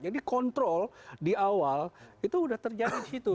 jadi kontrol di awal itu sudah terjadi di situ